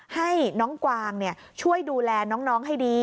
ให้น้องกวางช่วยดูแลน้องให้ดี